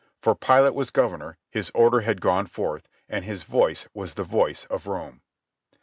For Pilate was governor, his order had gone forth; and his voice was the voice of Rome.